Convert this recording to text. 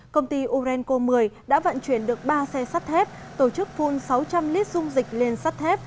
công ty orenco một mươi đã vận chuyển được ba xe sắt thép tổ chức phun sáu trăm linh lít dung dịch lên sắt thép